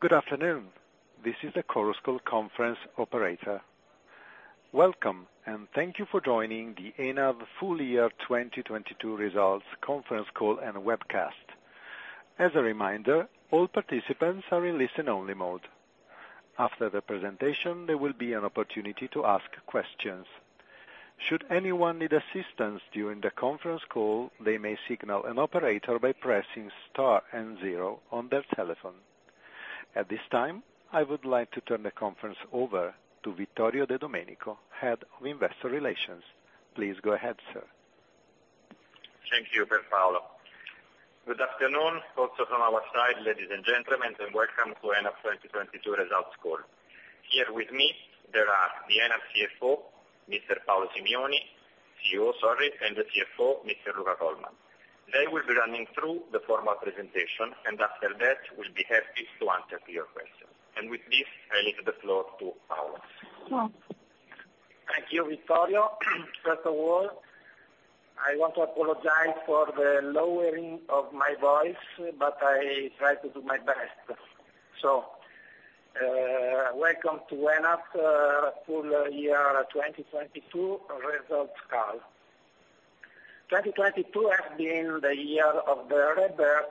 Good afternoon. This is the Chorus Call conference operator. Welcome, and thank you for joining the ENAV full year 2022 results conference call and webcast. As a reminder, all participants are in listen only mode. After the presentation, there will be an opportunity to ask questions. Should anyone need assistance during the conference call, they may signal an operator by pressing star and zero on their telephone. At this time, I would like to turn the conference over to Vittorio De Domenico, head of investor relations. Please go ahead, sir. Thank you, Paolo. Good afternoon also from our side, ladies and gentlemen, welcome to ENAV 2022 results call. Here with me there are the ENAV CEO, sorry, Mr. Paolo Simioni, and the CFO, Mr. Luca Colman. They will be running through the formal presentation, after that, we'll be happy to answer to your questions. With this, I leave the floor to Paolo. Thank you, Vittorio. First of all, I want to apologize for the lowering of my voice, I try to do my best. Welcome to ENAV full year 2022 results call. 2022 has been the year of the rebirth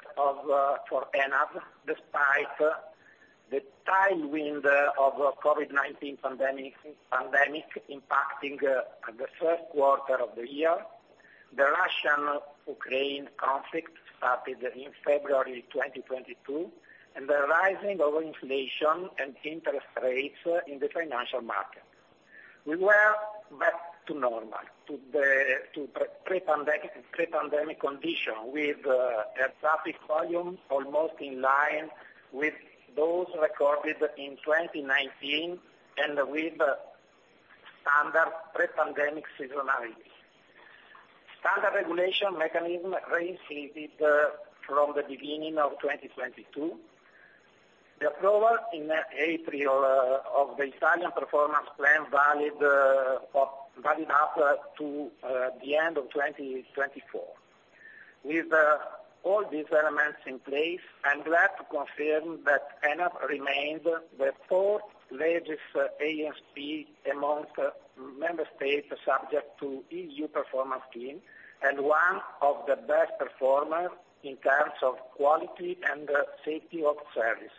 for ENAV, despite the tailwind of COVID-19 pandemic impacting the first quarter of the year, the Russian-Ukraine conflict started in February 2022, and the rising of inflation and interest rates in the financial market. We were back to normal, to pre-pandemic condition, with a traffic volume almost in line with those recorded in 2019 and with standard pre-pandemic seasonality. Standard regulation mechanism reinstated from the beginning of 2022. The approval in April of the Italian performance plan valid up to the end of 2024. With all these elements in place, I'm glad to confirm that ENAV remained the fourth largest ANSP amongst member states subject to EU performance scheme and one of the best performers in terms of quality and safety of service,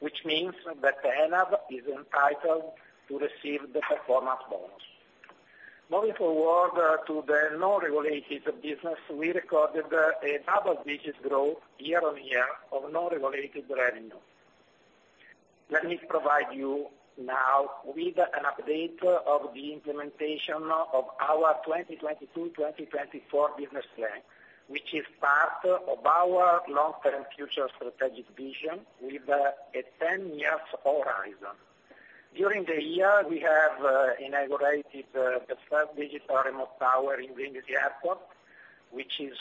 which means that ENAV is entitled to receive the performance bonus. Moving forward to the non-regulated business, we recorded a double-digit growth year-on-year of non-regulated revenue. Let me provide you now with an update of the implementation of our 2022, 2024 business plan, which is part of our long-term future strategic vision with a 10 years horizon. During the year, we have inaugurated the first Remote Digital Tower in Linyi Airport, which is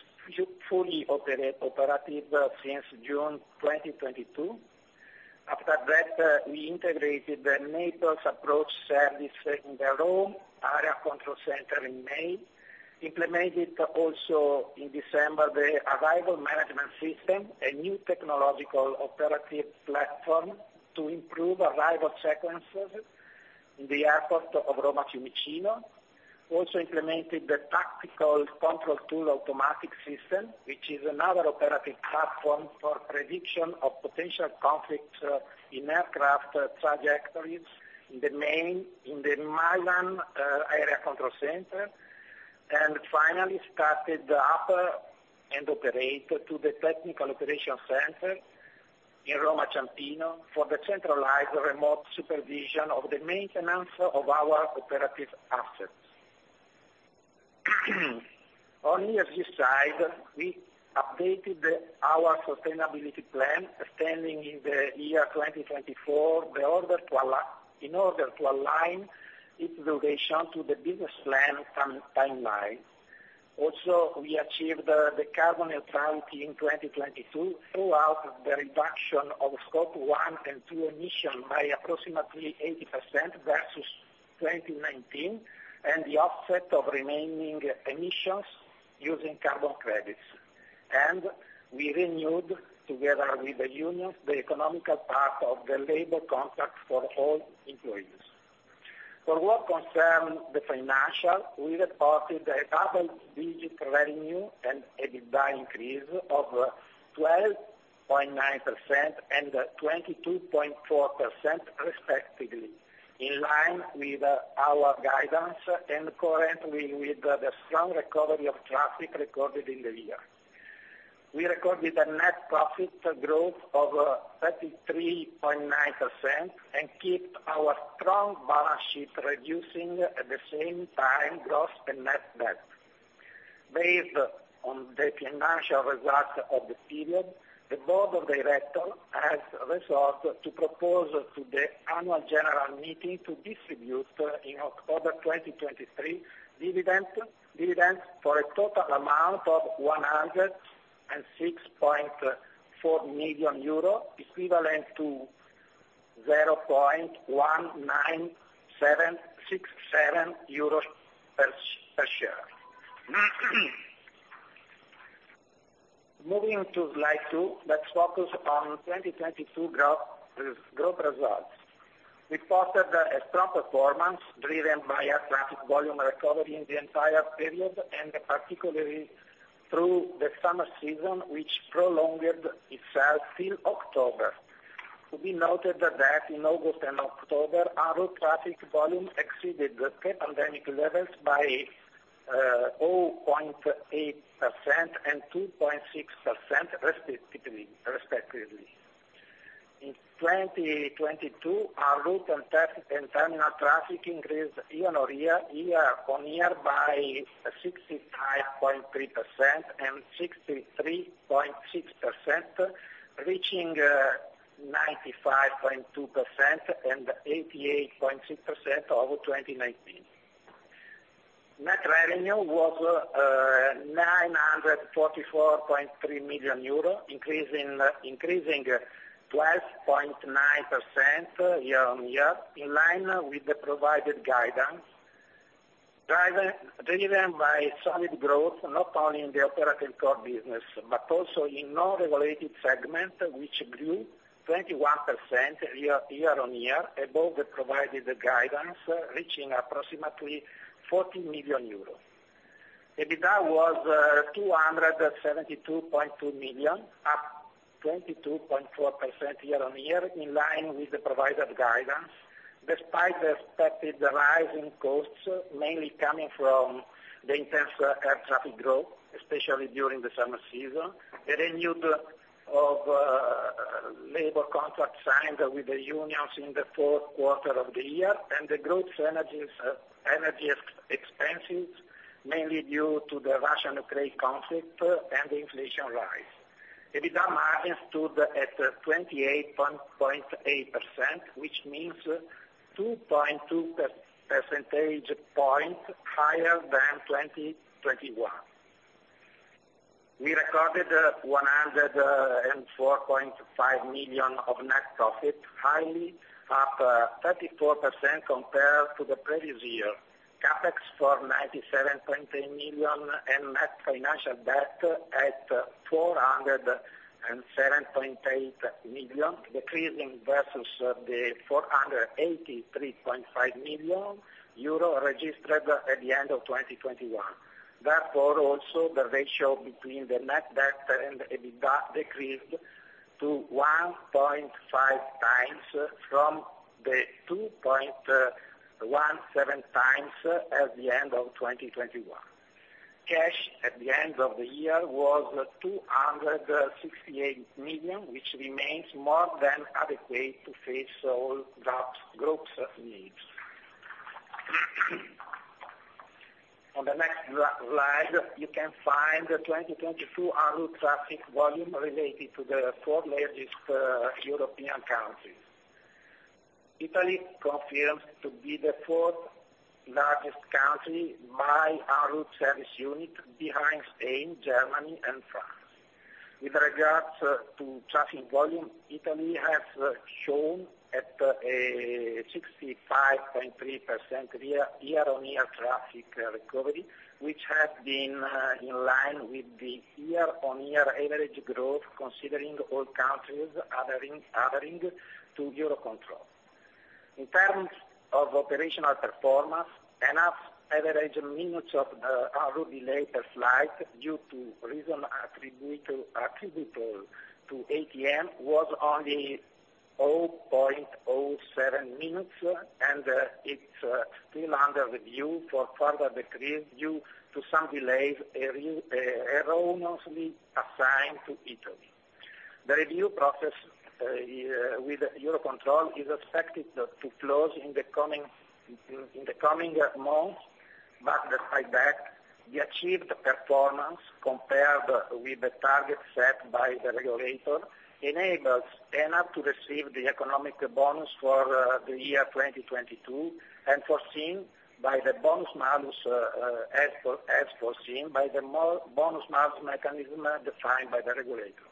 fully operative since June 2022. After that, we integrated the Naples approach service in the Rome Area Control Center in May, implemented also in December the Arrival Management System, a new technological operative platform to improve arrival sequences in the airport of Roma Fiumicino. Also implemented the Tactical Control Tool Automatic System, which is another operative platform for prediction of potential conflicts in aircraft trajectories in the Milan Area Control Center. Finally started operate to the Technical Operation Center in Roma Ciampino for the centralized remote supervision of the maintenance of our operative assets. On ESG side, we updated our sustainability plan, extending in the year 2024, in order to align its duration to the business plan time-timeline. We achieved the carbon neutrality in 2022 throughout the reduction of Scope 1 and 2 emission by approximately 80% versus 2019 and the offset of remaining emissions using carbon credits. We renewed, together with the union, the economical part of the labor contract for all employees. For what concern the financial, we reported a double-digit revenue and EBITDA increase of 12.9% and 22.4% respectively, in line with our guidance and currently with the strong recovery of traffic recorded in the year. We recorded a net profit growth of 33.9% and keep our strong balance sheet, reducing at the same time gross and net debt. Based on the financial results of the period, the board of director has resolved to propose to the annual general meeting to distribute in October 2023 dividends for a total amount of 106.4 million euro, equivalent to 0.19767 euro per share. Moving to slide two, let's focus on 2022 growth results. We posted a strong performance driven by a traffic volume recovery in the entire period and particularly through the summer season, which prolonged itself till October. We noted that in August and October, our traffic volume exceeded the pre-pandemic levels by 0.8% and 2.6%, respectively. In 2022, our route and terminal traffic increased year-on-year by 65.3% and 63.6%, reaching 95.2% and 88.6% over 2019. Net revenue was 944.3 million euro, increasing 12.9% year-on-year, in line with the provided guidance. Driven by solid growth, not only in the operating core business, but also in non-regulated segment, which grew 21% year-on-year above the provided guidance, reaching approximately 40 million euros. EBITDA was 272.2 million, up 22.4% year-on-year, in line with the provided guidance, despite the expected rise in costs, mainly coming from the intense air traffic growth, especially during the summer season, the renewed of labor contracts signed with the unions in the Q4 of the year and the group's energy ex-expenses, mainly due to the Russian-Ukraine conflict and the inflation rise. EBITDA margin stood at 28.8%, which means 2.2 percentage points higher than 2021. We recorded 104.5 million of net profit, highly up 34% compared to the previous year. CapEx for 97.8 million and net financial debt at 407.8 million, decreasing versus the 483.5 million euro registered at the end of 2021. Also, the ratio between the net debt and the EBITDA decreased to 1.5x from the 2.17x at the end of 2021. Cash at the end of the year was 268 million, which remains more than adequate to face all group's needs. On the next slide, you can find the 2022 en-route traffic volume related to the four largest European countries. Italy confirmed to be the fourth largest country by en-route service unit behind Spain, Germany and France. With regards to traffic volume, Italy has shown at a 65.3% year-on-year traffic recovery, which has been in line with the year-on-year average growth considering all countries adhering to EUROCONTROL. In terms of operational performance, ENAV's average minutes of en-route delayed flights due to reasons attributable to ATM was only 0.07 minutes and it's still under review for further decrease due to some delays erroneously assigned to Italy. The review process with EUROCONTROL is expected to close in the coming months. Despite that, the achieved performance compared with the target set by the regulator enables ENAV to receive the economic bonus for the year 2022 and foreseen by the bonus-malus mechanism defined by the regulator.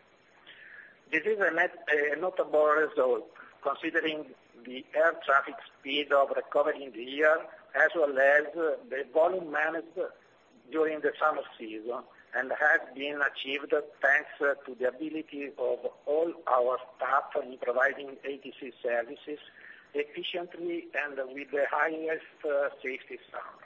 This is a notable result considering the air traffic speed of recovery in the year, as well as the volume managed during the summer season, and has been achieved thanks to the ability of all our staff in providing ATC services efficiently and with the highest safety standard.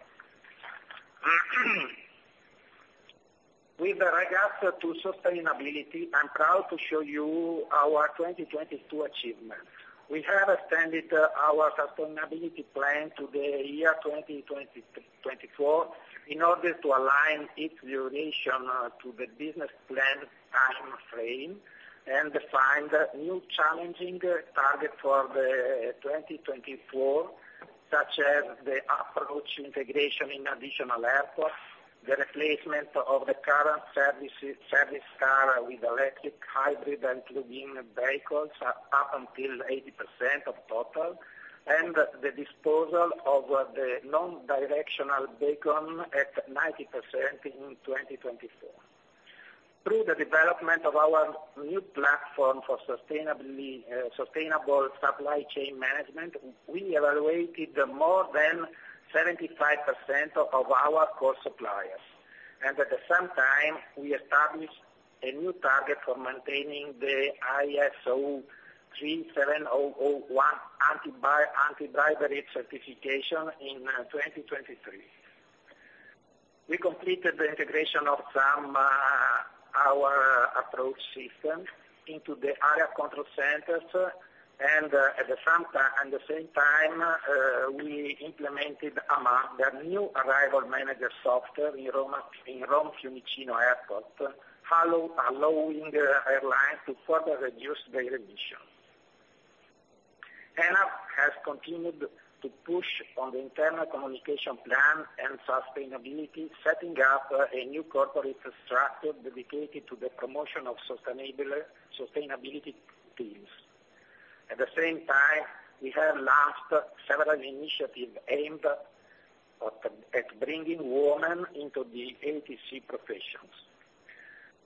With regard to sustainability, I'm proud to show you our 2022 achievements. We have extended our sustainability plan to the year 2024 in order to align its duration to the business plan time frame and define new challenging target for the 2024, such as the approach integration in additional airports, the replacement of the current service car with electric, hybrid and plug-in vehicles up until 80% of total, and the disposal of the non-directional beacon at 90% in 2024. Through the development of our new platform for sustainable supply chain management, we evaluated more than 75% of our core suppliers. At the same time, we established a new target for maintaining the ISO 37001 anti-bribery certification in 2023. We completed the integration of our approach system into the area control centers. At the same time, we implemented the new Arrival Management System software in Rome's Fiumicino Airport, allowing the airline to further reduce their emissions. ENAV has continued to push on the internal communication plan and sustainability, setting up a new corporate structure dedicated to the promotion of sustainability themes. At the same time, we have launched several initiatives aimed at bringing women into the ATC professions.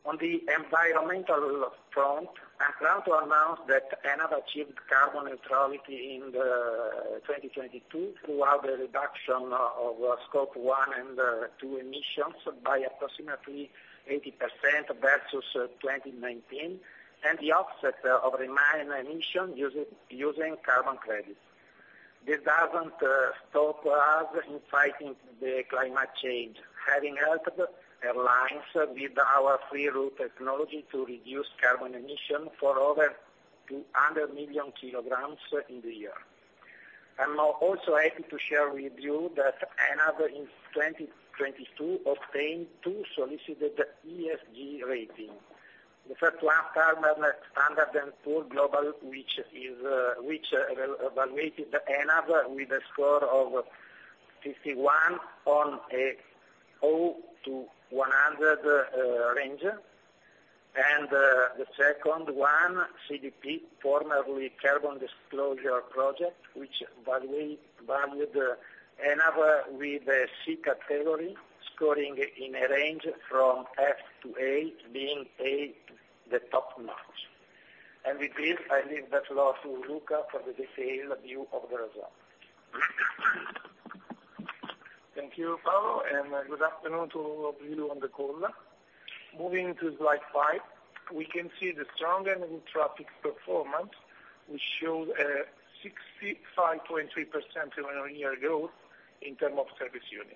On the environmental front, I'm proud to announce that ENAV achieved carbon neutrality in 2022 through the reduction of Scope 1 and Scope 2 emissions by approximately 80% versus 2019, and the offset of remaining emission using carbon credits. This doesn't stop us in fighting the climate change, having helped airlines with our Free Route technology to reduce carbon emissions for over 200,000,000 kg in the year. I'm also happy to share with you that ENAV in 2022 obtained two solicited ESG ratings. The first one, S&P Global, which evaluated ENAV with a score of 51 on a 0 to 100 range. The second one, CDP, formerly Carbon Disclosure Project, which valued ENAV with a C category, scoring in a range from F to A, being A the top notch. With this, I leave the floor to Luca for the detailed view of the results. Thank you, Paolo, and good afternoon to all of you on the call. Moving to slide five, we can see the strong en-route traffic performance, which showed a 65.3% year-on-year growth in term of service units,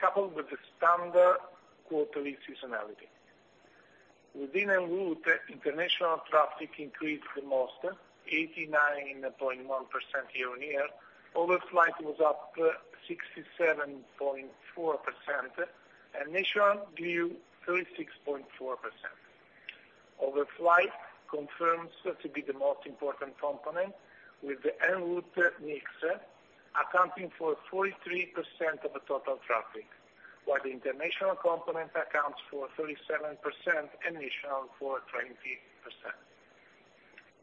coupled with the standard quarterly seasonality. Within en-route, international traffic increased the most, 89.1% year-on-year. Overflight was up 67.4% and national grew 36.4%. Overflight confirms to be the most important component with the en-route mix accounting for 43% of the total traffic, while the international component accounts for 37% and national for 20%.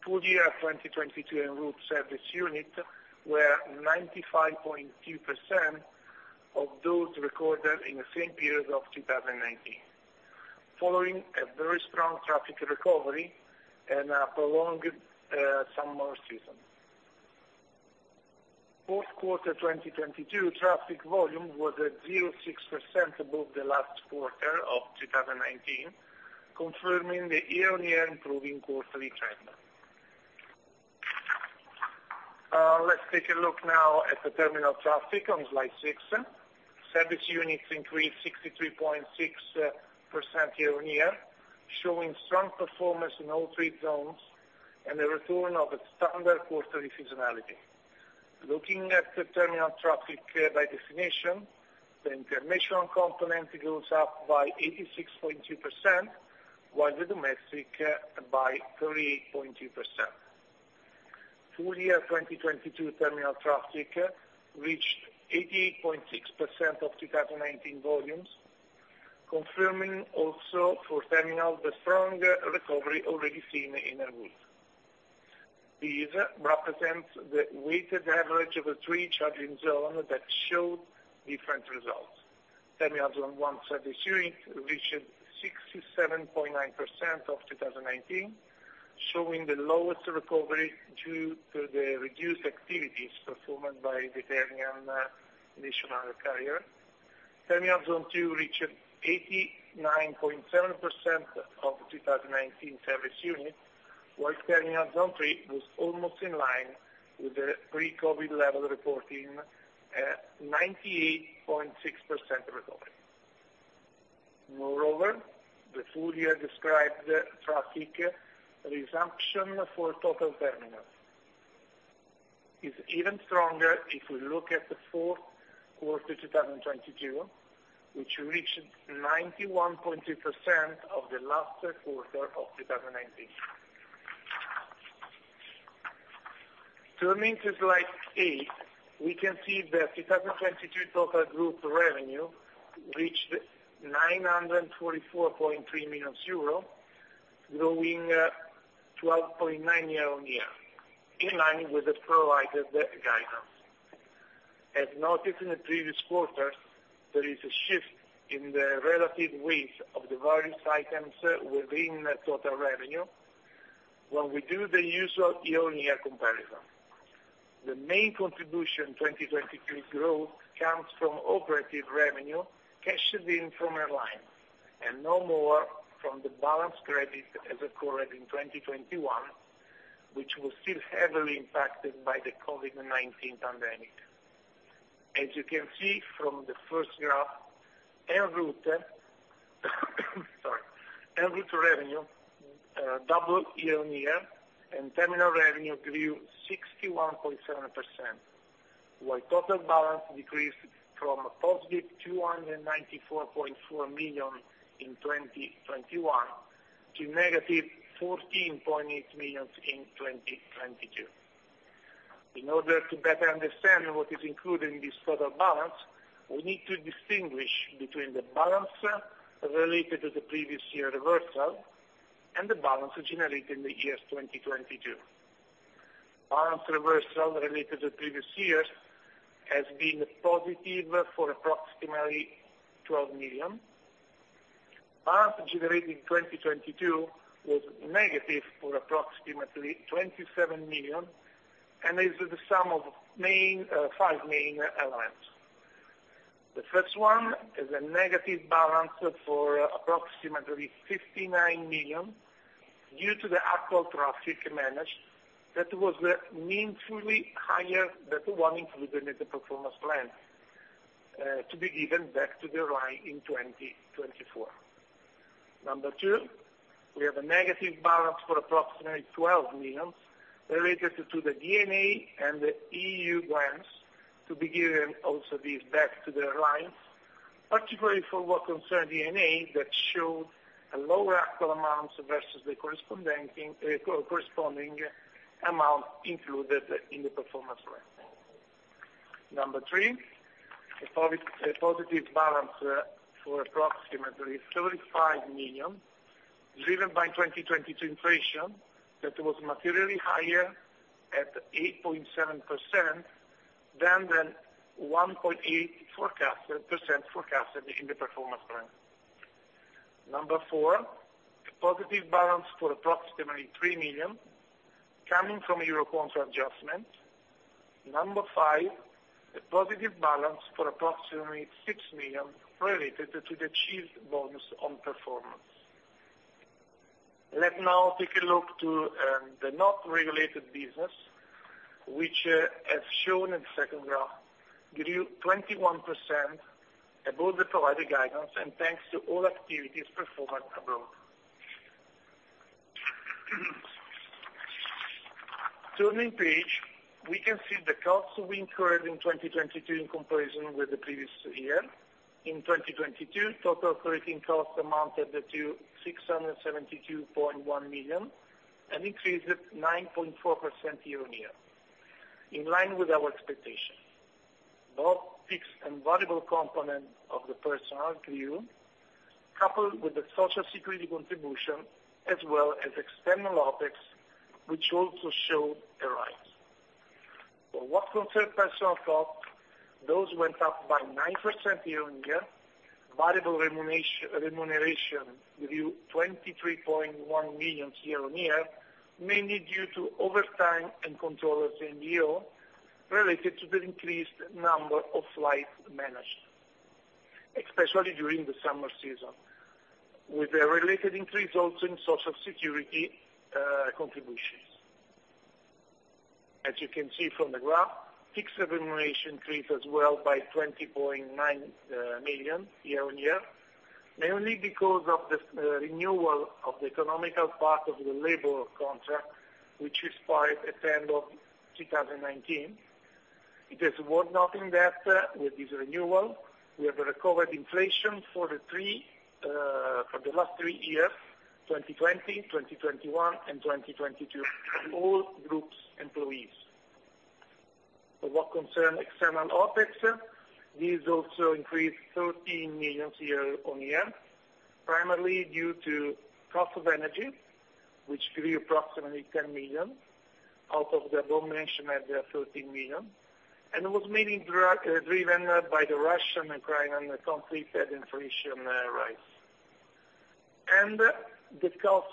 Full year 2022 en-route service unit were 95.2% of those recorded in the same period of 2019, following a very strong traffic recovery and a prolonged summer season. Q4 2022 traffic volume was at 0.6% above the last quarter of 2019, confirming the year-on-year improving quarterly trend. Let's take a look now at the terminal traffic on slide six. service units increased 63.6% year-on-year, showing strong performance in all three zones and the return of a standard quarterly seasonality. Looking at the terminal traffic by destination, the international component goes up by 86.2%, while the domestic by 38.2%. Full year 2022 terminal traffic reached 88.6% of 2019 volumes, confirming also for terminal the strong recovery already seen in en-route. These represent the weighted average of the three charging zones that showed different results. Terminal one service unit reached 67.9% of 2019, showing the lowest recovery due to the reduced activities performed by the Italian national carrier. Terminal zone two reached 89.7% of 2019 service units, while terminal zone three was almost in line with the pre-COVID level, reporting 98.6% recovery. The full year described traffic resumption for total terminal is even stronger if we look at the Q4 2022, which reached 91.2% of the last quarter of 2019. Turning to slide eight, we can see the 2022 total group revenue reached 944.3 million euro, growing 12.9% year-on-year, in line with the provided guidance. As noted in the previous quarter, there is a shift in the relative weight of the various items within the total revenue when we do the usual year-on-year comparison. The main contribution 2022 growth comes from operative revenue cashed in from airlines and no more from the balance credit as occurred in 2021, which was still heavily impacted by the COVID-19 pandemic. As you can see from the first graph, air route, sorry. Air route revenue doubled year-on-year and terminal revenue grew 61.7%, while total balance decreased from a positive 294.4 million in 2021 to negative 14.8 million in 2022. In order to better understand what is included in this total balance, we need to distinguish between the balance related to the previous year reversal and the balance generated in the year 2022. Balance reversal related to previous years has been positive for approximately EUR 12 million. Balance generated in 2022 was negative for approximately 27 million and is the sum of five main items. The first one is a negative balance for approximately 59 million due to the actual traffic managed that was meaningfully higher than the one included in the performance plan to be given back to the line in 2024. Number two, we have a negative balance for approximately 12 million related to the D&A and the EU grants to be given also these back to the lines, particularly for what concern D&A that showed a lower actual amount versus the corresponding amount included in the performance plan. Number three, a positive balance, for approximately 35 million driven by 2022 inflation that was materially higher at 8.7% than the 1.8% forecast % forecasted in the performance plan. Number four, a positive balance for approximately 3 million coming from EUROCONTROL contract adjustment. Number five, a positive balance for approximately 6 million related to the chief bonus on performance. Let now take a look to the not regulated business, which, as shown in second graph, grew 21% above the provided guidance and thanks to all activities performed above. Turning page, we can see the costs we incurred in 2022 in comparison with the previous year. In 2022, total operating costs amounted to 672.1 million and increased at 9.4% year-on-year, in line with our expectation. Both fixed and variable component of the personnel grew, coupled with the social security contribution as well as external OpEx, which also showed a rise. For what concerned personnel costs, those went up by 9% year-on-year. Variable remuneration grew 23.1 million year-on-year, mainly due to overtime and controllers in the year related to the increased number of flights managed, especially during the summer season, with a related increase also in Social Security contributions. As you can see from the graph, fixed remuneration increased as well by 20.9 million year-on-year, mainly because of this renewal of the economical part of the labor contract, which expired at the end of 2019. It is worth noting that with this renewal we have recovered inflation for the last three years, 2020, 2021 and 2022, all groups employees. For what concern external OpEx, this also increased 13 million year-on-year, primarily due to cost of energy, which grew approximately 10 million out of the aforementioned 13 million, it was mainly driven by the Russian and Crimean conflict and inflation rise. The cost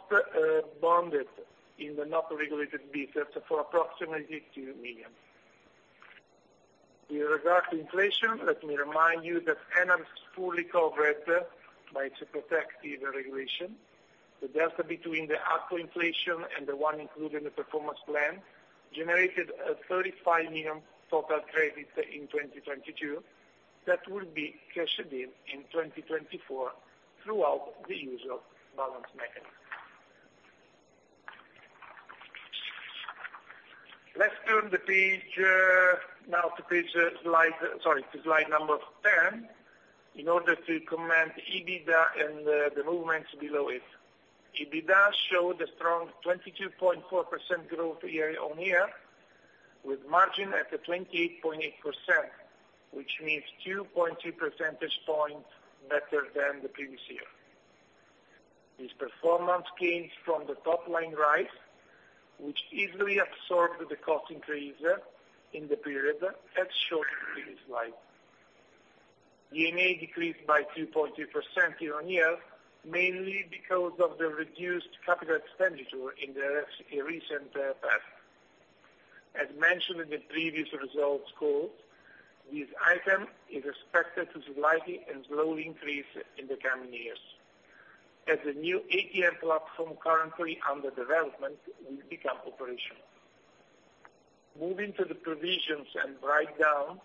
bonded in the not regulated business for approximately 2 million. In regard to inflation, let me remind you that ENAV is fully covered by its protective regulation. The delta between the actual inflation and the one included in the performance plan generated a 35 million total credit in 2022 that will be cashed in in 2024 throughout the use of balance mechanism. Let's turn now to slide number 10 in order to comment EBITDA and the movements below it. EBITDA showed a strong 22.4% growth year-on-year, with margin at the 28.8%, which means 2.2 percentage points better than the previous year. This performance gains from the top line rise, which easily absorbed the cost increase in the period, as shown in the previous slide. D&A decreased by 2.3% year-on-year, mainly because of the reduced capital expenditure in the recent past. As mentioned in the previous results call, this item is expected to slightly and slowly increase in the coming years as the new ATM platform currently under development will become operational. Moving to the provisions and write down,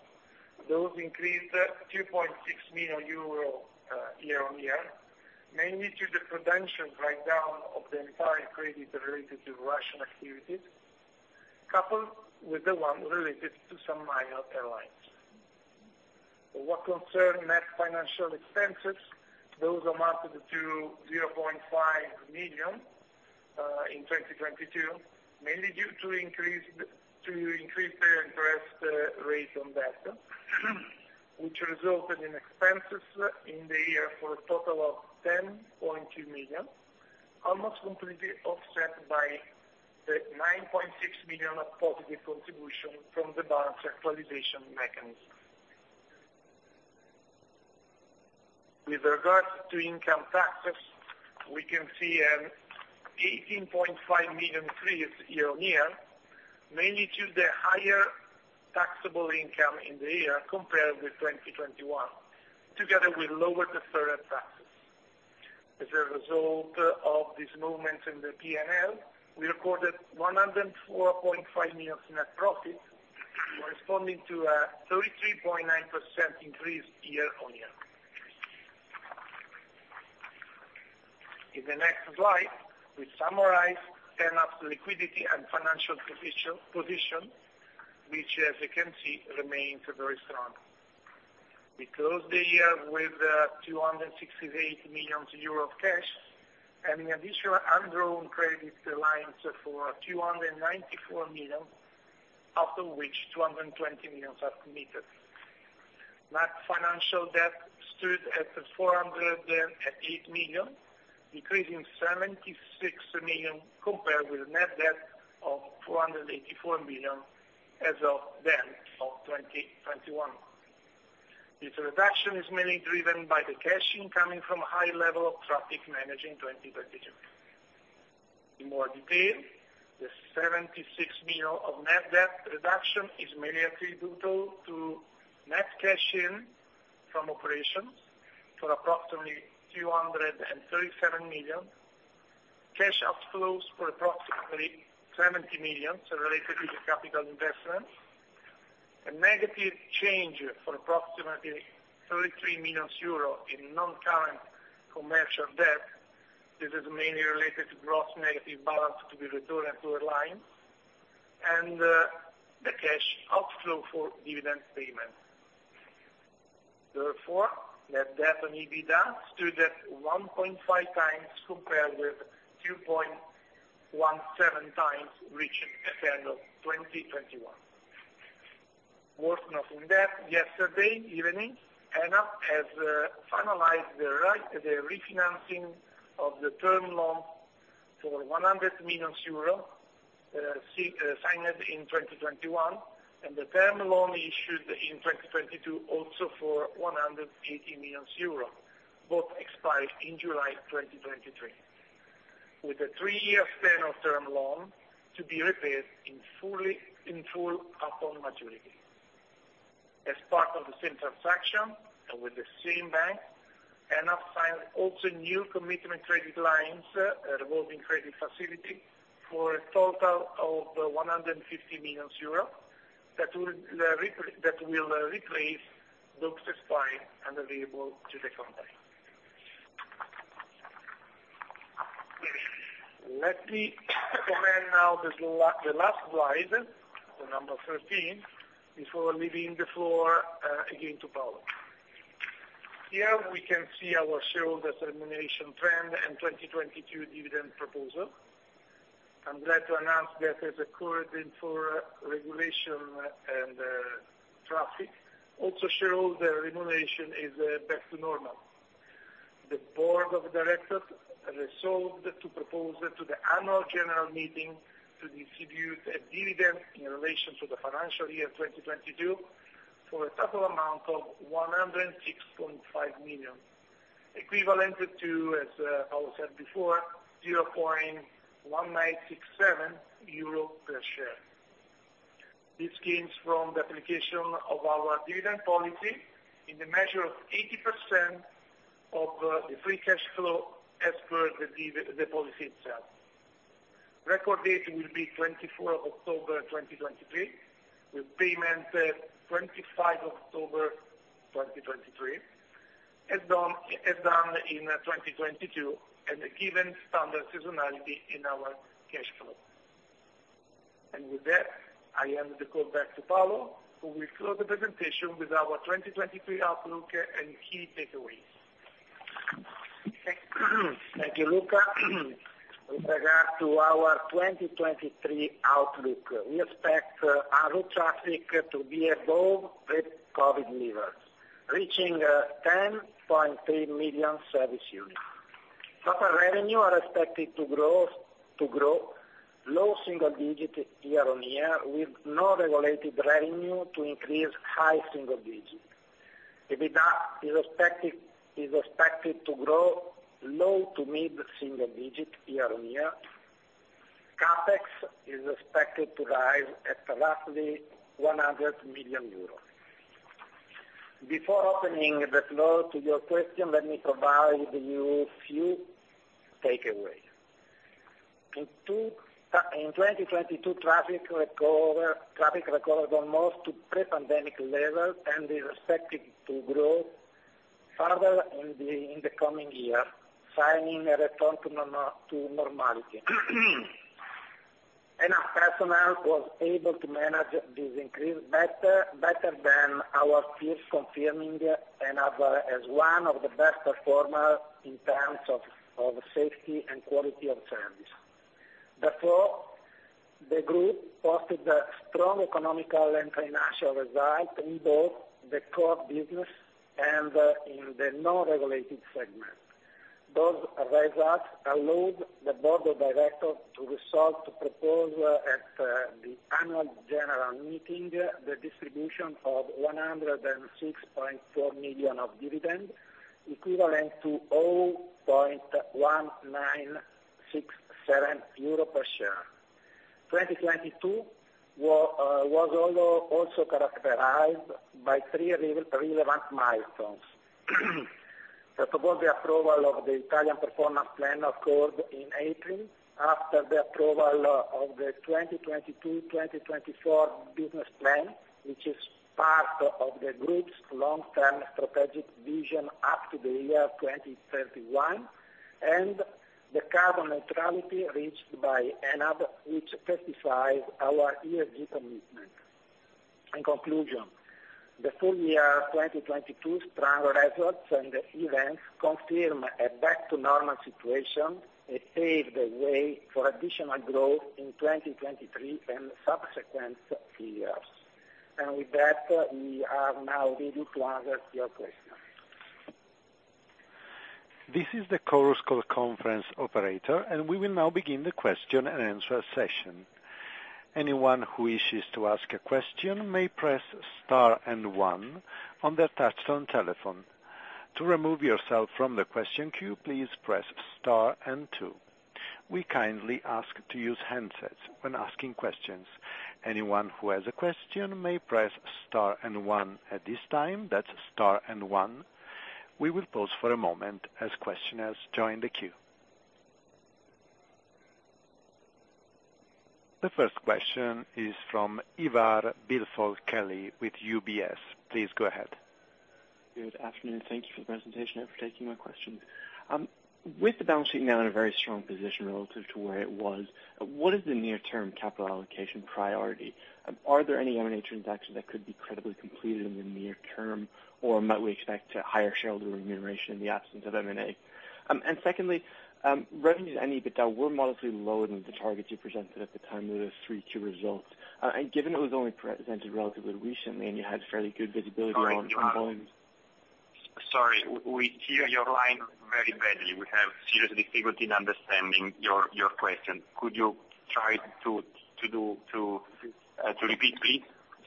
those increased 2.6 million euro year-on-year, mainly to the prevention write down of the entire credit related to Russian activities, coupled with the one related to some minor airlines. What concerned net financial expenses, those amounted to 0.5 million in 2022, mainly due to increased interest rate on debt, which resulted in expenses in the year for a total of 10.2 million, almost completely offset by the 9.6 million of positive contribution from the balance actualization mechanism. With regards to income taxes, we can see an 18.5 million increase year-over-year, mainly due to the higher taxable income in the year compared with 2021, together with lower deferred taxes. As a result of these movements in the PNL, we recorded 104.5 million net profit, corresponding to 33.9% increase year-over-year. In the next slide, we summarize ENAV's liquidity and financial position, which, as you can see, remains very strong. We closed the year with 268 million euros cash and an additional undrawn credit alliance for 294 million, after which 220 million are committed. Net financial debt stood at 408 million, decreasing 76 million compared with a net debt of 484 million as of the end of 2021. This reduction is mainly driven by the cash incoming from a high level of traffic managed in 2022. In more detail, the 76 million of net debt reduction is mainly attributable to net cash in from operations for approximately 237 million, cash outflows for approximately 70 million related to the capital investment, a negative change for approximately 33 million euros in non-current commercial debt. This is mainly related to gross negative balance to be returned to airlines and the cash outflow for dividend payment. Net debt on EBITDA stood at 1.5x compared with 2.17x reached at the end of 2021. Worth noting that yesterday evening, ENAV has finalized the refinancing of the term loan for 100 million euros signed in 2021, and the term loan issued in 2022, also for 180 million euros, both expire in July 2023, with a three year span of term loan to be repaid in full upon maturity. As part of the same transaction and with the same bank, ENAV signed also new commitment credit lines, revolving credit facility, for a total of 150 million euros that will replace those expired and available to the company. Let me come in now the last slide, the number 13, before leaving the floor again to Paolo. Here we can see our shareholders remuneration trend and 2022 dividend proposal. I'm glad to announce that as according for regulation and traffic, also shareholders remuneration is back to normal. The board of directors resolved to propose to the annual general meeting to distribute a dividend in relation to the financial year 2022 for a total amount of 106.5 million, equivalent to, as Paolo said before, 0.1967 euro per share. This comes from the application of our dividend policy in the measure of 80% of the free cash flow as per the policy itself. Record date will be October 24 2023, with payment October 25 2023, as done in 2022 at the given standard seasonality in our cash flow. With that, I hand the call back to Paolo, who will close the presentation with our 2023 outlook and key takeaways. Thank you, Luca. With regard to our 2023 outlook, we expect our route traffic to be above pre-COVID levels, reaching 10.3 million service units. Total revenue are expected to grow low single-digit year-over-year, with non-regulated revenue to increase high single-digit. EBITDA is expected to grow low to mid single-digit year-over-year. CapEx is expected to rise at roughly 100 million euros. Before opening the floor to your question, let me provide you few takeaways. In 2022, traffic recovered almost to pre-pandemic levels and is expected to grow further in the coming year, signing a return to normality. Our personnel was able to manage this increase better than our peers, confirming ENAV as one of the best performer in terms of safety and quality of service. The group posted a strong economical and financial result in both the core business and in the non-regulated segment. Those results allowed the board of directors to resolve to propose at the annual general meeting the distribution of 106.4 million of dividend, equivalent to 0.1967 euro per share. 2022 was also characterized by three relevant milestones. First of all, the approval of the Italian Performance Plan occurred in April, after the approval of the 2022, 2024 business plan, which is part of the group's long term strategic vision up to the year 2031, and the carbon neutrality reached by ENAV, which testifies our ESG commitment. In conclusion, the full year 2022 strong results and events confirm a back to normal situation, it paved the way for additional growth in 2023 and subsequent years. With that, we are now ready to answer your questions. This is the Chorus Call conference operator. We will now begin the question and answer session. Anyone who wishes to ask a question may press star and one on their touchtone telephone. To remove yourself from the question queue, please press star and two. We kindly ask to use handsets when asking questions. Anyone who has a question may press star and one at this time. That's star and one. We will pause for a moment as questioners join the queue. The first question is from Ivar Billfalk-Kelly with UBS. Please go ahead. Good afternoon. Thank you for the presentation and for taking my question. With the balance sheet now in a very strong position relative to where it was, what is the near term capital allocation priority? Are there any M&A transactions that could be credibly completed in the near term or might we expect higher shareholder remuneration in the absence of M&A? Secondly, revenues and EBITDA were modestly lower than the targets you presented at the time of those 3Q results. Given it was only presented relatively recently, and you had fairly good visibility on volumes. Sorry, we hear your line very badly. We have serious difficulty in understanding your question. Could you try to repeat, please?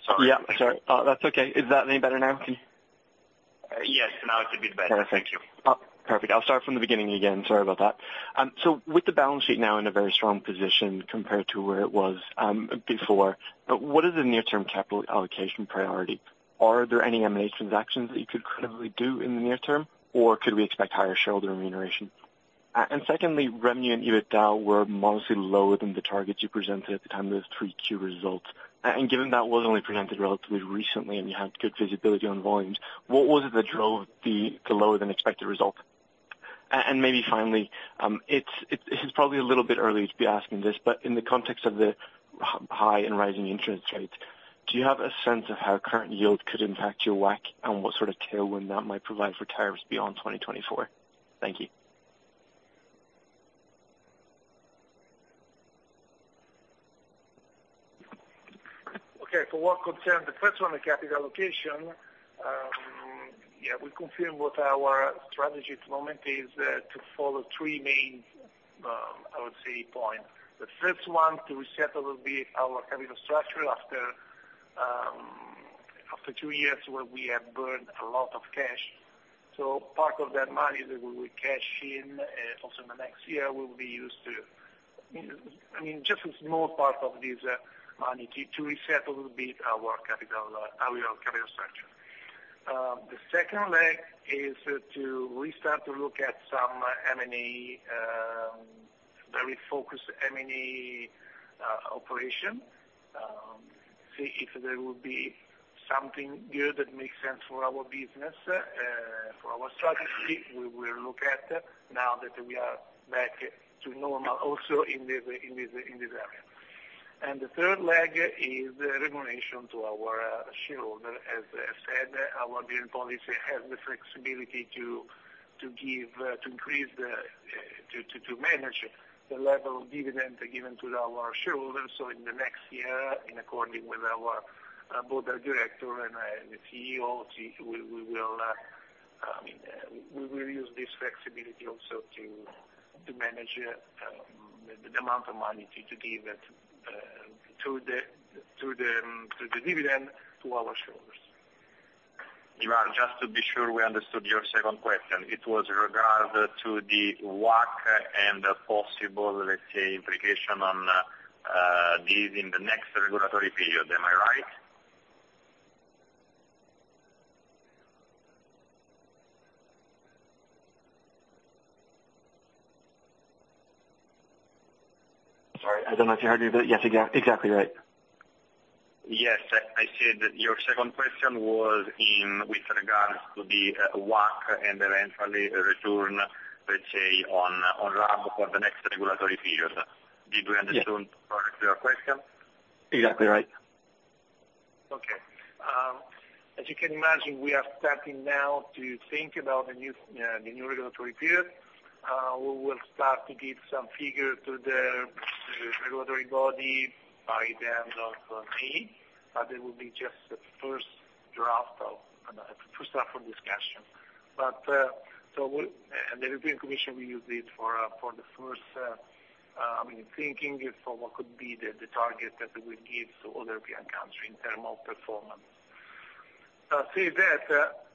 Sorry. Yeah. Sorry. That's okay. Is that any better now? Can you... Yes, now it's a bit better. Thank you. Perfect. I'll start from the beginning again. Sorry about that. With the balance sheet now in a very strong position compared to where it was before, what is the near term capital allocation priority? Are there any M&A transactions that you could credibly do in the near term, or could we expect higher shareholder remuneration? Secondly, revenue and EBITDA were modestly lower than the targets you presented at the time of those 3Q results. Given that was only presented relatively recently and you had good visibility on volumes, what was it that drove the lower than expected result? Maybe finally, it's probably a little bit early to be asking this, but in the context of the high and rising interest rates, do you have a sense of how current yield could impact your WACC and what sort of tailwind that might provide for tires beyond 2024? Thank you. Okay. For what concern the first one, the capital allocation, yeah, we confirm what our strategy at the moment is to follow three main, I would say points. The first one, to reset a little bit our capital structure after two years where we have burned a lot of cash. Part of that money that we will cash in, also in the next year will be used to... just a small part of this money to reset a little bit our capital, our capital structure. The second leg is to restart to look at some M&A, very focused M&A operation, see if there will be something good that makes sense for our business. For our strategy, we will look at now that we are back to normal also in this area. The third leg is remuneration to our shareholder. As I said, our dividend policy has the flexibility to give, to increase the, to manage the level of dividend given to our shareholders. In the next year, in accordance with our board of director and the CEO, we will, I mean. We will use this flexibility also to manage the amount of money to give it to the dividend to our shareholders. Ivan, just to be sure we understood your second question, it was regard to the WACC and the possible, let's say, implication on these in the next regulatory period. Am I right? Sorry, I don't know if you heard me, but yes, exactly right. Yes, I said your second question was in with regards to the WACC and eventually return, let's say on lab for the next regulatory period. Did we understand? Yeah. Correctly your question? Exactly right. Okay. As you can imagine, we are starting now to think about the new, the new regulatory period. We will start to give some figures to the regulatory body by the end of May, but it will be just the first draft for discussion. the European Commission will use it for the first, you know, thinking for what could be the target that we give to other European countries in term of performance. Say that,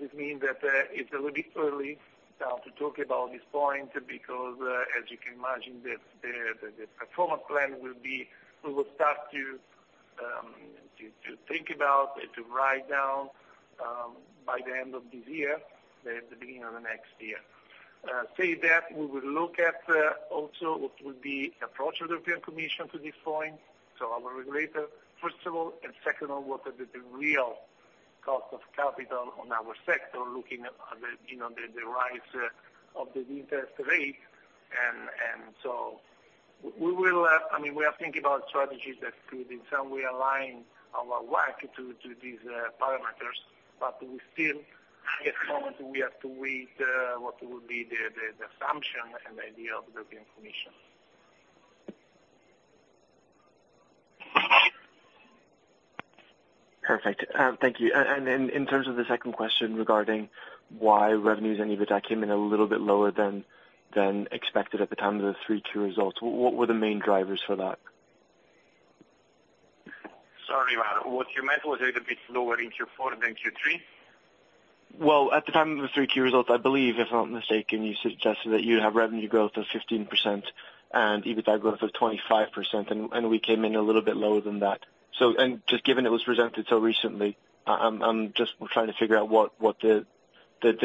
this means that it's a little bit early to talk about this point because, as you can imagine, the performance plan will be... We will start to think about and to write down by the end of this year, the beginning of the next year. Say that we will look at also what will be the approach of the European Commission to this point, so our regulator, first of all, and second on what are the real cost of capital on our sector looking at the, you know, the rise of the interest rate. So we will, I mean, we are thinking about strategies that could in some way align our WACC to these parameters. We still, at this moment, we have to wait what will be the assumption and the idea of the European Commission. Perfect. Thank you. In terms of the second question regarding why revenues and EBITA came in a little bit lower than expected at the time of the 3-quarter results, what were the main drivers for that? Sorry, Ivan. What you meant was a little bit lower in Q4 than Q3? At the time of the three-quarter results, I believe, if I'm not mistaken, you suggested that you have revenue growth of 15% and EBITA growth of 25%, and we came in a little bit lower than that. Just given it was presented so recently, I'm just trying to figure out what the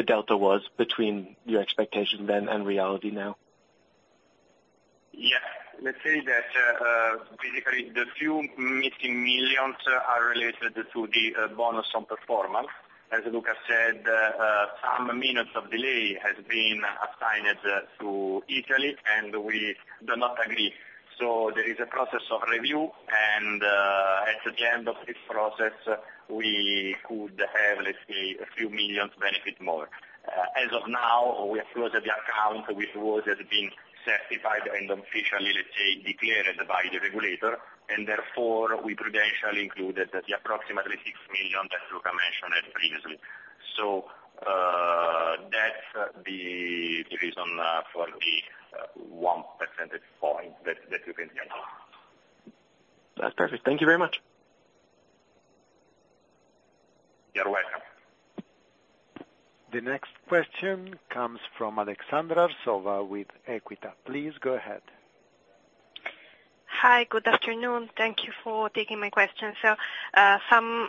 delta was between your expectation then and reality now. Let's say that basically the few missing million are related to the bonus on performance. As Luca Colman said, some minutes of delay has been assigned to Italy. We do not agree. There is a process of review. At the end of this process, we could have, let's say, a few million benefit more. As of now, we have closed the account, which was being certified and officially, let's say, declared by the regulator. Therefore, we prudentially included the approximately 6 million that Luca Colman mentioned previously. That's the reason for the one percentage point that you can count. That's perfect. Thank you very much. You're welcome. The next question comes from Aleksandra Arsova with Equita. Please go ahead. Hi. Good afternoon. Thank you for taking my question, sir. Some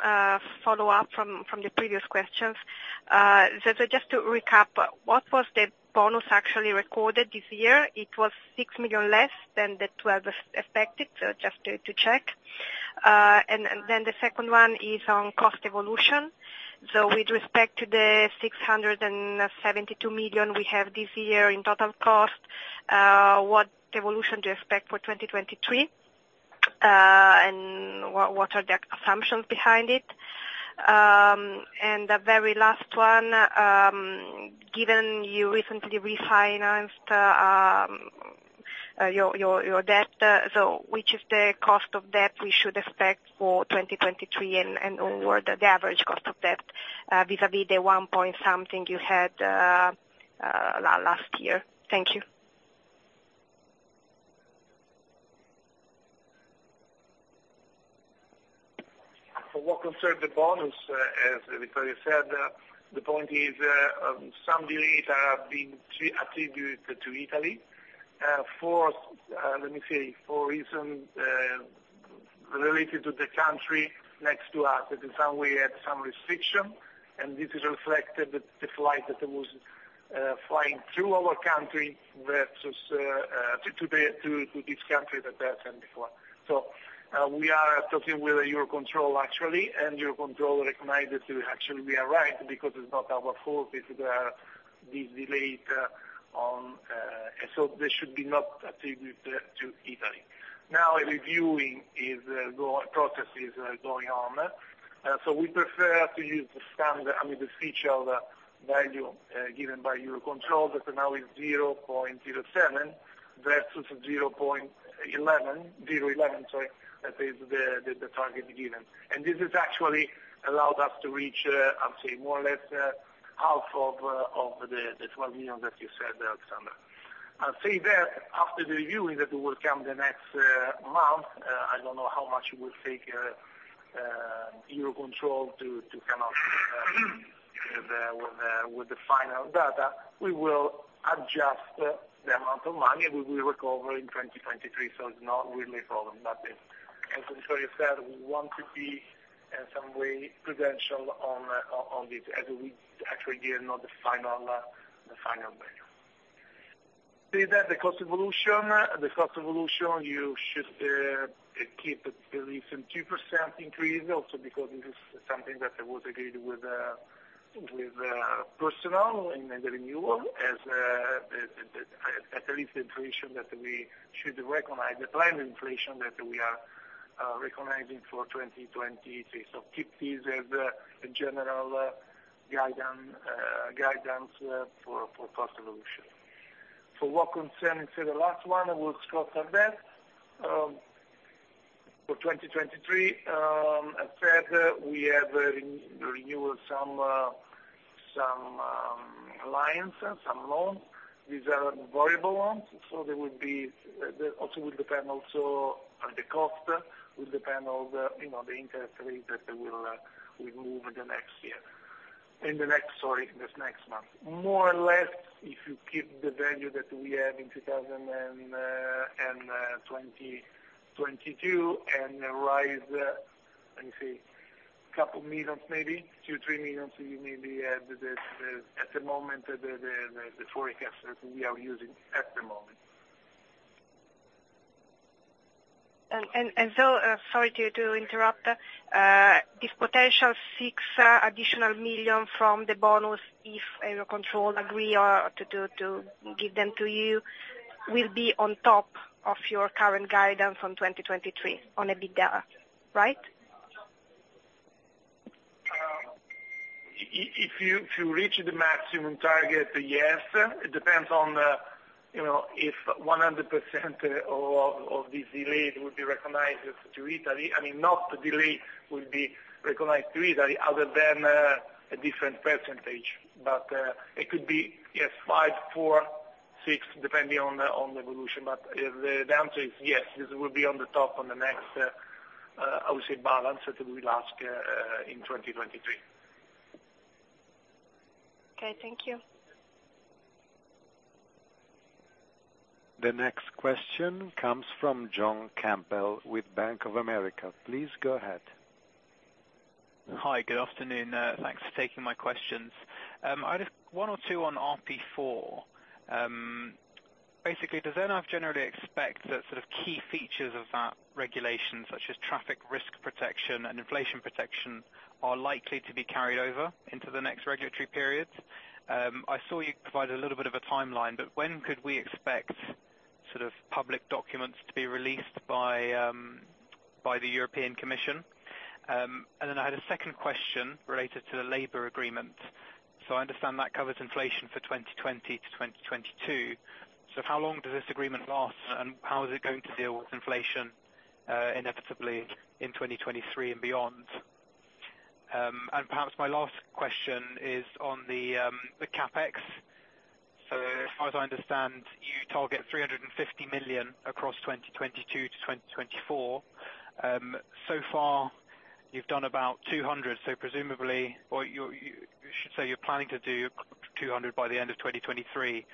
follow-up from the previous questions. Just to recap, what was the bonus actually recorded this year? It was 6 million less than 12 million expected, just to check. Then the second one is on cost evolution. With respect to the 672 million we have this year in total cost, what evolution do you expect for 2023, and what are the assumptions behind it? The very last one, given you recently refinanced your debt, which is the cost of debt we should expect for 2023 and onward, the average cost of debt, vis-à-vis the one-point-something you had last year? Thank you. For what concerned the bonus, as Vittorio said, the point is, some delays are being attributed to Italy, for let me say, for reason related to the country next to us that in some way had some restriction, and this is reflected with the flight that it was flying through our country versus to this country that had some decline. We are talking with EUROCONTROL actually, Eurocontrol recognized that we actually we are right because it's not our fault if there are these delays on, and so they should be not attributed to Italy. Now a reviewing process is going on. We prefer to use the standard, I mean, this feature, value given by EUROCONTROL that for now is 0.07 versus 0.11, 0.11, sorry, that is the target given. This has actually allowed us to reach, I would say more or less, half of 12 million that you said, Aleksandra. I'll say that after the review that will come the next month, I don't know how much it will take EUROCONTROL to come up with the final data. We will adjust the amount of money we will recover in 2023. It's not really a problem, as Vittorio said, we want to be in some way credential on this as we actually give not the final value. Say that the cost evolution, you should keep at least in 2% increase also because it is something that was agreed with personal and the renewal as At least inflation that we should recognize, the planned inflation that we are recognizing for 2023. Keep this as a general guidance for cost evolution. For what concern, say the last one, we'll stop at that, for 2023, I said we have renewal some alliance, some loans. These are variable ones, so they would be, they also will depend also on the cost, will depend on the, you know, the interest rate that will remove the next year. In the next, sorry, this next month. More or less, if you keep the value that we have in 2022 and rise, let me see, couple million maybe, 2 million-3 million, so you maybe add the. At the moment, the forecast that we are using at the moment. Sorry to interrupt. This potential 6 million additional from the bonus, if EUROCONTROL agree to give them to you, will be on top of your current guidance on 2023 on EBITDA, right? If you reach the maximum target, yes. It depends on, you know, if 100% of this delay would be recognized to Italy. I mean, not the delay will be recognized to Italy other than a different percentage. It could be, yes, five, four, six, depending on the evolution. If the answer is yes, this will be on the top on the next, I would say, balance that will ask in 2023. Okay, thank you. The next question comes from John Campbell with Bank of America. Please go ahead. Hi, good afternoon. Thanks for taking my questions. I just one or two on RP4. Basically, does ENAV generally expect that sort of key features of that regulation, such as traffic risk protection and inflation protection, are likely to be carried over into the next regulatory periods? I saw you provide a little bit of a timeline, but when could we expect sort of public documents to be released by the European Commission? I had a second question related to the labor agreement. I understand that covers inflation for 2020 to 2022. How long does this agreement last, and how is it going to deal with inflation, inevitably in 2023 and beyond? Perhaps my last question is on the CapEx. As far as I understand, you target 350 million across 2022 to 2024. So far, you've done about 200 million, so presumably or you should say you're planning to do 200 million by the end of 2023.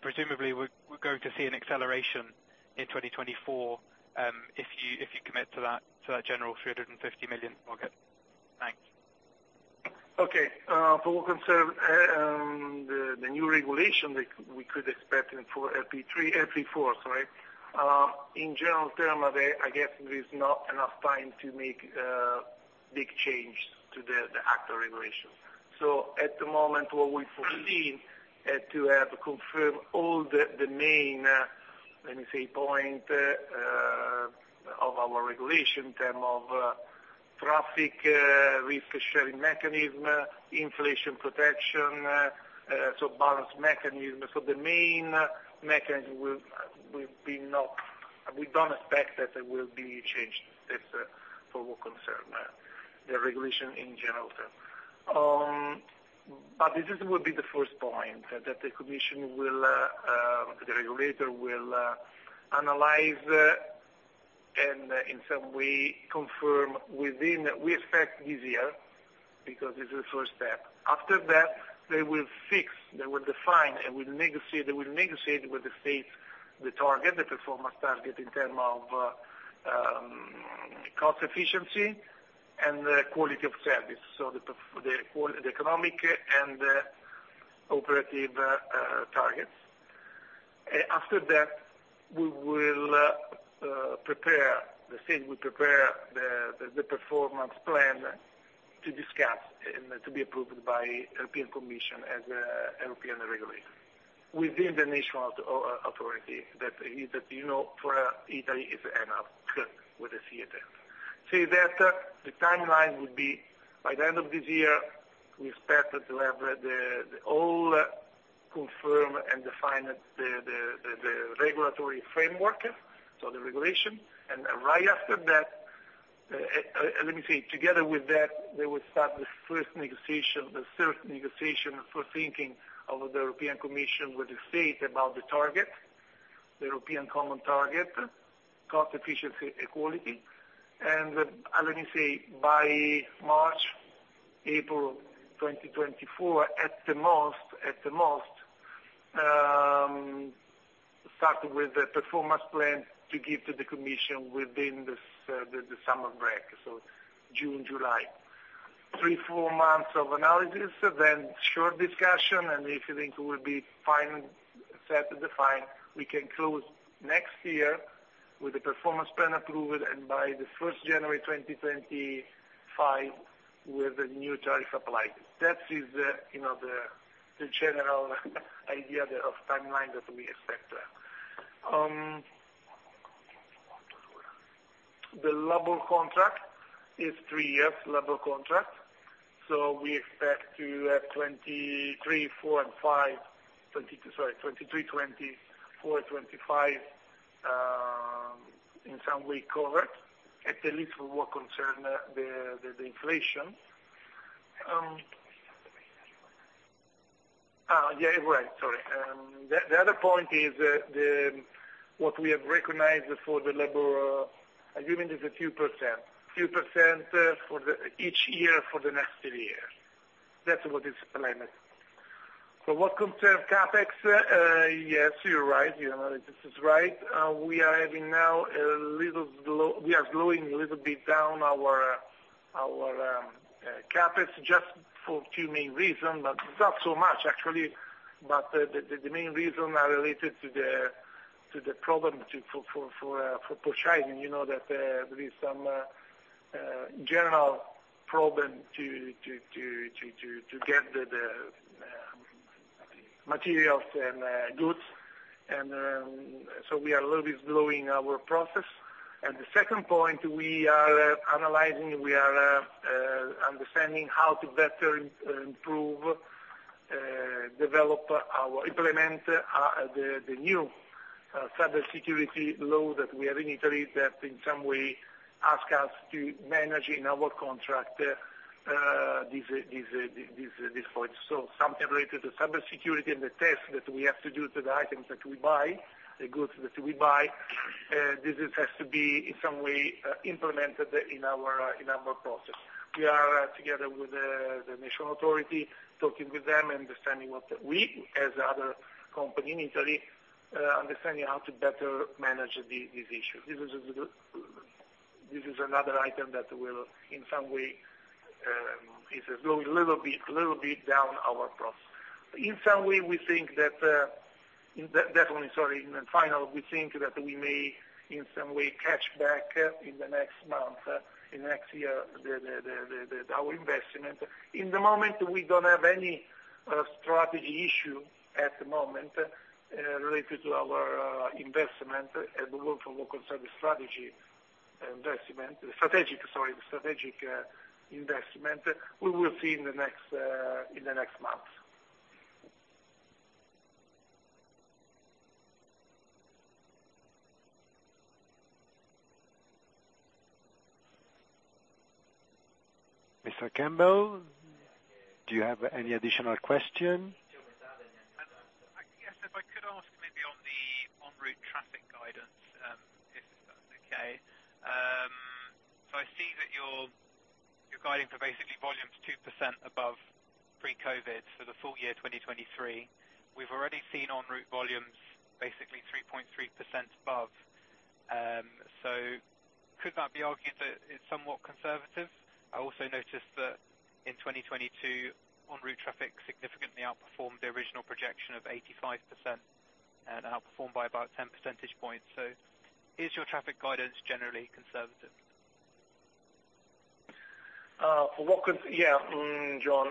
Presumably we're going to see an acceleration in 2024, if you commit to that general 350 million target. Thanks. Okay. For concern, the new regulation that we could expect in for RP3, RP4, sorry. In general term, I guess there is not enough time to make big change to the actual regulation. At the moment, what we foresee to have confirmed all the main, let me say, point of our regulation in term of traffic risk sharing mechanism, inflation protection, so balance mechanism. The main mechanism will be not. We don't expect that there will be change that for what concern the regulation in general term. This is will be the first point that the commission will the regulator will analyze and in some way confirm within we expect this year, because this is first step. After that, they will fix, they will define and will negotiate, they will negotiate with the state the target, the performance target in term of cost efficiency and the quality of service. The qual- the economic and operative targets. After that, we will prepare the state, we prepare the performance plan to discuss and to be approved by European Commission as European regulator within the national authority that is, that, you know, for Italy is ENAC with a C at end. Say that the timeline would be by the end of this year, we expect to have the all confirm and define the regulatory framework, so the regulation. Right after that, let me say, together with that, they will start the first negotiation, the third negotiation for thinking of the European Commission with the state about the target, the European common target, cost efficiency, equality. Let me say, by March, April 2024 at the most, starting with the performance plan to give to the commission within this, the summer break, so June, July. three, four months of analysis, then short discussion, and if you think it will be fine set, defined, we can close next year with the performance plan approved, and by the first January 2025 with the new tariff applied. That is the, you know, the general idea of timeline that we expect. The labor contract is three years labor contract, so we expect to have 2023, 2024 and 2025. Sorry, 2023, 2024, 2025, in some way covered. At the least we were concerned the inflation. Yeah, right. Sorry. The other point is what we have recognized for the labor agreement is a few percent for the each year for the next three years. That's what is planned. What concern CapEx, yes, you're right. Your analysis is right. We are slowing a little bit down our CapEx just for two main reasons, but not so much actually. The main reason are related to the problem for purchasing. You know that there is some general problem to get the materials and goods. We are a little bit slowing our process. The second point, we are analyzing, we are understanding how to better improve, develop our implement the new Cybersecurity [below] that we have in Italy, that in some way ask us to manage in our contract these points. Something related to cyber security and the test that we have to do to the items that we buy, the goods that we buy, this has to be in some way implemented in our process. We are together with the national authority, talking with them and understanding what we, as other company in Italy, understanding how to better manage these issues. This is another item that will, in some way, is slowing a little bit down our process. In some way, we think that, in that, sorry. In final, we think that we may, in some way, catch back in the next month, in next year, the our investment. In the moment, we don't have any strategy issue at the moment, related to our investment and the work from local service strategy investment. Strategic, sorry, strategic investment. We will see in the next, in the next months. Mr. Campbell, do you have any additional question? I guess if I could ask maybe on the en-route traffic guidance, if that's okay. I see that you're guiding for basically volumes 2% above pre-COVID for the full year 2023. We've already seen en-route volumes basically 3.3% above. Could that be argued that it's somewhat conservative? I also noticed that in 2022, en-route traffic significantly outperformed the original projection of 85% and outperformed by about 10 percentage points. Is your traffic guidance generally conservative? John,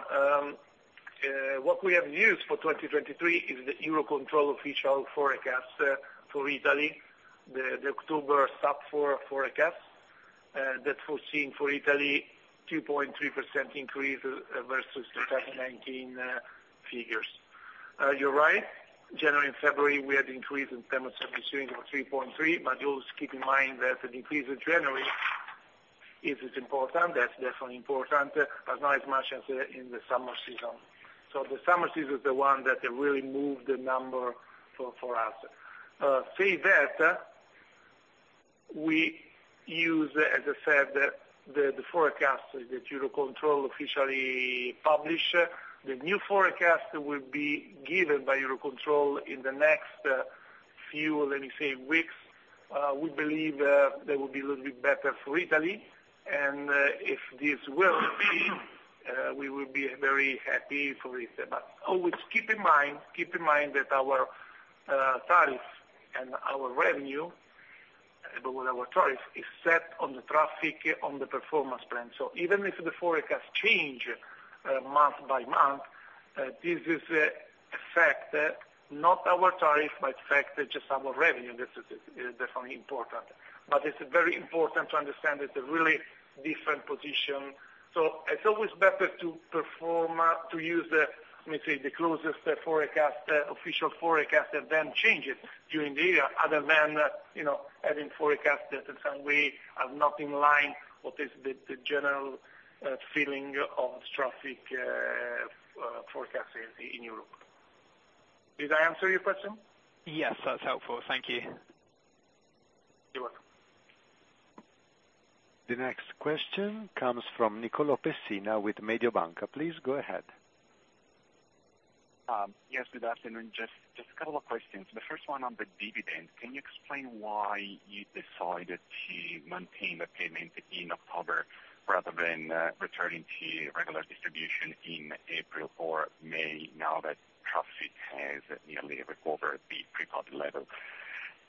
what we have used for 2023 is the EUROCONTROL official forecast for Italy, the October sub four forecast that foreseen for Italy 2.3% increase versus the 2019 figures. You're right. January and February, we had increase in terms of ensuing of 3.3, but you also keep in mind that the increase in January is as important. That's definitely important, but not as much as in the summer season. The summer season is the one that really moved the number for us. Say that, we use, as I said, the forecast that EUROCONTROL officially publish. The new forecast will be given by EUROCONTROL in the next few, let me say, weeks. We believe they will be a little bit better for Italy. If this will be, we will be very happy for it. Always keep in mind, keep in mind that our tariff and our revenue with our tariff is set on the traffic on the performance plan. Even if the forecast change, month by month, this is... affect that not our tariff might affect just some of revenue. This is definitely important, but it's very important to understand it's a really different position. It's always better to perform, to use the, let me say, the closest forecast, official forecast and then change it during the year other than, you know, having forecast that in some way are not in line with the general feeling of traffic forecasting in Europe. Did I answer your question? Yes, that's helpful. Thank you. You're welcome. The next question comes from Nicolò Pessina with Mediobanca. Please go ahead. Yes, good afternoon. Just a couple of questions. The first one on the dividend, can you explain why you decided to maintain the payment in October rather than returning to regular distribution in April or May now that traffic has nearly recovered the pre-COVID level?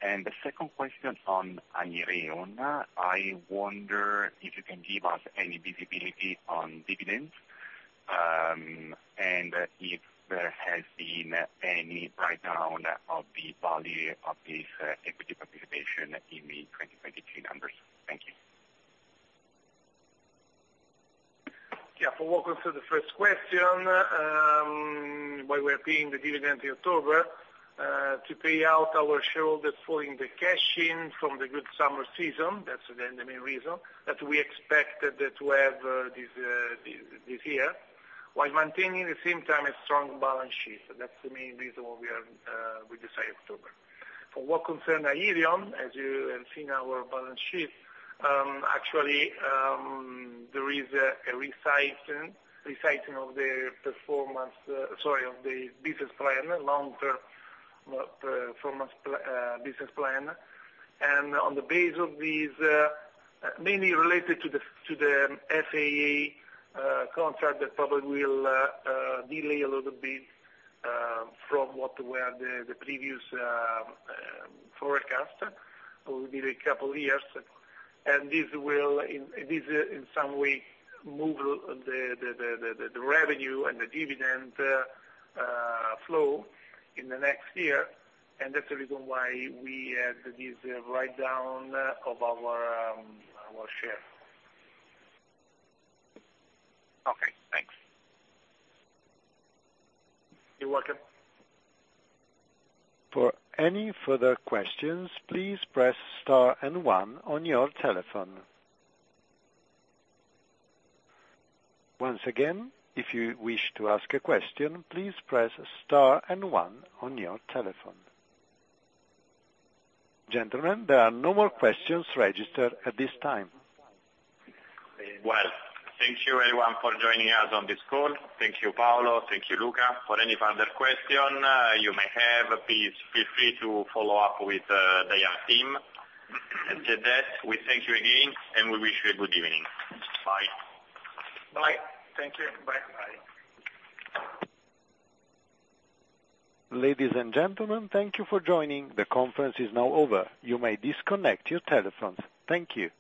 The second question on Aireon, I wonder if you can give us any visibility on dividends, and if there has been any write-down of the value of this equity participation in the 2022 numbers? Thank you. Yeah. For what concern the first question, why we are paying the dividend in October to pay out our shareholders following the cash in from the good summer season. That's again the main reason, that we expected to have this year, while maintaining at the same time a strong balance sheet. That's the main reason we are, we decide October. For what concern Aireon, as you have seen our balance sheet, actually, there is a resizing of the performance, sorry, of the business plan, long-term business plan. On the base of these, mainly related to the FAA contract that probably will delay a little bit from what were the previous forecast. Will be a couple years, and this in some way move the revenue and the dividend flow in the next year, and that's the reason why we had this write down of our share. Okay, thanks. You're welcome. For any further questions, please press star and one on your telephone. Once again, if you wish to ask a question, please press star and one on your telephone. Gentlemen, there are no more questions registered at this time. Well, thank you everyone for joining us on this call. Thank you, Paolo. Thank you, Luca. For any further question, you may have, please feel free to follow up with ENAV team. With that, we thank you again, and we wish you a good evening. Bye. Bye. Thank you. Bye. Ladies andgentlemen, thank you for joining. The conference is now over. You may disconnect your telephones. Thank you.